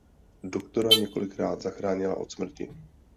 Doktora několikrát zachránila od smrti.